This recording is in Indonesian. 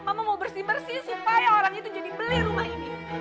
mama mau bersih bersih supaya orang itu jadi beli rumah ini